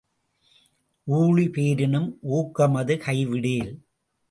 ஊழி பேரினும் ஊக்கமது கைவிடேல்.